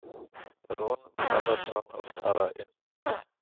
Baron Brabazon of Tara inne.